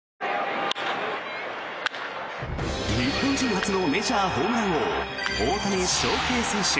日本人初のメジャーホームラン王大谷翔平選手。